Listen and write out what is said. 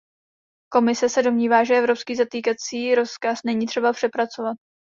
Komise se domnívá, že evropský zatýkací rozkaz není třeba přepracovat.